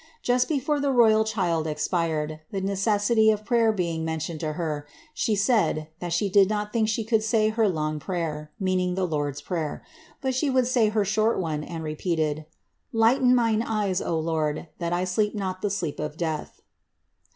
Just before the roytl child expired, the necessity of prayer being men tioned to her, she said, that she did not think she could say her long prayer, (meaning the Lord's prayer) but she would say her short one, and repeated: ^Ughten mine eyes, O Lord, that I sleep not the sleep of death."